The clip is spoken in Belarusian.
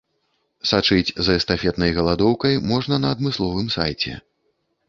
Сачыць за эстафетнай галадоўкай можна на адмысловым сайце